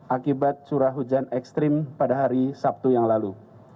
akibat curah hujan ekstrim pada hari sabtu yang lalu